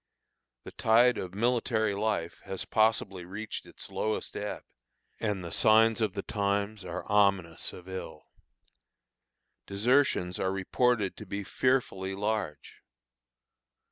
The tide of military life has possibly reached its lowest ebb, and the signs of the times are ominous of ill. Desertions are reported to be fearfully large.